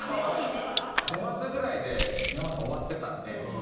５マスぐらいでｙａｍａさん終わってたんで。